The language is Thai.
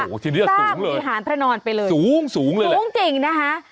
โอ้โหทีนี้สูงเลยวิหารพระนอนไปเลยสูงสูงเลยสูงจริงนะคะ